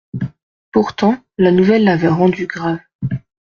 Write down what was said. Pourtant, la nouvelle l'avait rendu grave.